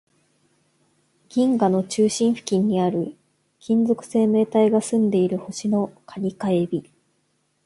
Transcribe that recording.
銀河の中心付近にある、金属生命体が住んでいる星の蟹か海老